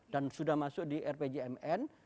dan sudah masuk di rpjmn